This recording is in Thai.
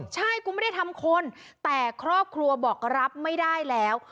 ใช่กูไม่ได้ทำคนแต่ครอบครัวบอกรับไม่ได้แล้ว